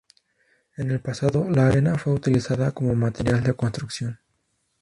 En el pasado la arena fue utilizada como material de construcción.